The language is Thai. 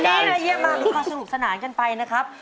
วันนี้ไทยเยี่ยมมากสู่สนานกันไปนะครับ